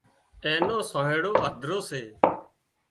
اين نو سانئيڙو هڌرو سي